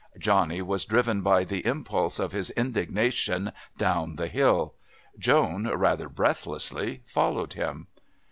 Johnny was driven by the impulse of his indignation down the hill. Joan, rather breathlessly, followed him.